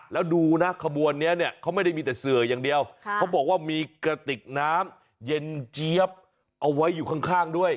แล้วดูนะขบวนนี้เนี่ยเขาไม่ได้มีแต่เสืออย่างเดียวเขาบอกว่ามีกระติกน้ำเย็นเจี๊ยบเอาไว้อยู่ข้างด้วย